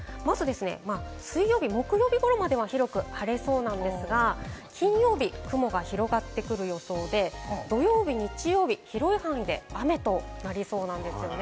水曜日、木曜日頃までは広く晴れそうなんですが、金曜日、雲が広がってくる予想で、土曜日、日曜日、広い範囲で雨となりそうなんです。